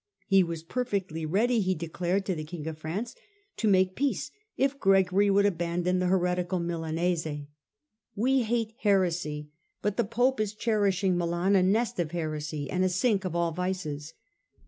He was perfectly ready, he declared to the King of France, to make peace if Gregory would abandon the heretical Milanese. " We hate heresy, but the Pope is cherishing Milan, a nest of heresy and a sink of all vices.